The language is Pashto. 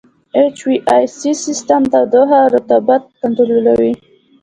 اچ وي اې سي سیسټم تودوخه او رطوبت کنټرولوي.